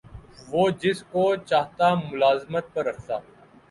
وہ جس کو چاہتا ملازمت پر رکھتا